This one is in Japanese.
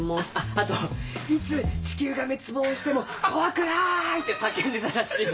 あと「いつ地球が滅亡しても怖くない！」って叫んでたらしいね。